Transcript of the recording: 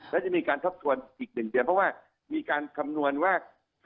และจะมีการทบทวนอีก๑เดือนเพราะว่ามีการคำนวณว่า